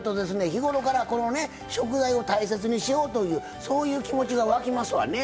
日頃からこのね食材を大切にしようというそういう気持ちが湧きますわね。